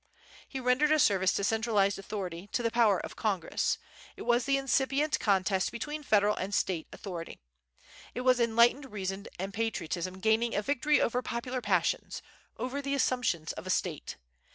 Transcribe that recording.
He rendered a service to centralized authority, to the power of Congress. It was the incipient contest between Federal and State authority. It was enlightened reason and patriotism gaining a victory over popular passions, over the assumptions of a State.